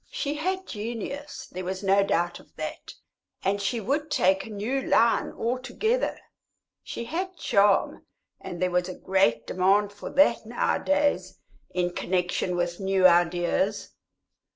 She had genius, there was no doubt of that, and she would take a new line altogether. She had charm, and there was a great demand for that nowadays in connexion with new ideas.